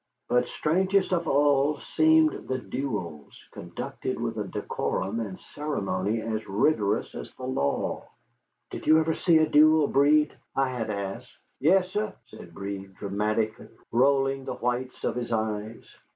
But strangest of all seemed the duels, conducted with a decorum and ceremony as rigorous as the law. "Did you ever see a duel, Breed?" I had asked. "Yessah," said Breed, dramatically, rolling the whites of his eyes.